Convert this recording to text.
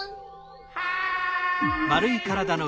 ・はい！